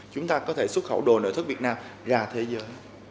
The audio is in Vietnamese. chúng ta có thể xuất khẩu đồ nội thức việt nam ra thế giới